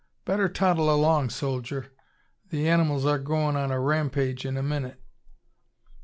Better toddle along, soldier. The animals are goin' on a rampage in a minute."